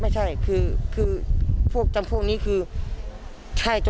สวัสดีครับ